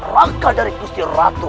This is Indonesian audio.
raka dari kusti ratu